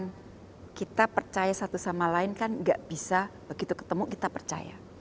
dan kita percaya satu sama lain kan gak bisa begitu ketemu kita percaya